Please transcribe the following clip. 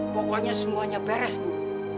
pokoknya semuanya beres bu